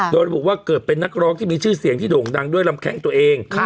โดยระบุว่าเกิดเป็นนักร้องที่มีชื่อเสียงที่โด่งดังด้วยลำแข้งตัวเอง